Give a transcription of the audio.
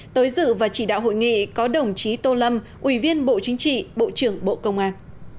tới dự và chỉ đạo hội nghị có đồng chí tô lâm ủy viên bộ chính trị bộ trưởng bộ công an